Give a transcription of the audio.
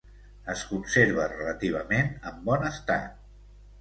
Es conserva relativament en bon estat.